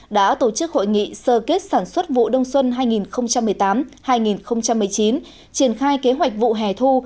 đã tổ chức hội nghị sơ kết sản xuất vụ đông xuân hai nghìn một mươi tám hai nghìn một mươi chín triển khai kế hoạch vụ hẻ thu